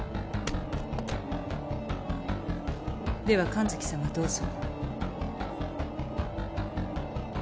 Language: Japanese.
では神崎さまどうぞ。